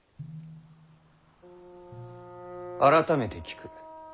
改めて聞く。